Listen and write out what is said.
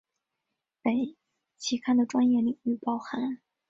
本期刊的专业领域包含